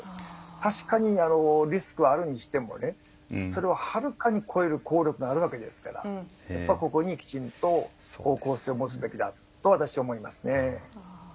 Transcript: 確かにリスクはあるにしてもそれをはるかに超える効力があるわけですからここに、きちんと方向性を持つべきだと私は思いますね。